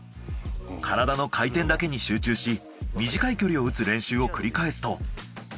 体の回転だけに集中し短い距離を打つ練習を繰り返すと。